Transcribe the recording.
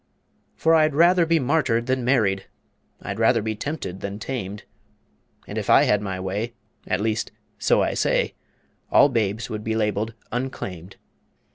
For I'd rather be Martyred than Married, I'd rather be tempted than tamed, And if I had my way (At least, so I say) All Babes would be labeled, "Unclaimed."